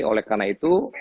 oleh karena itu